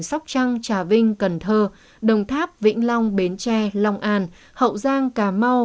sóc trăng trà vinh cần thơ đồng tháp vĩnh long bến tre long an hậu giang cà mau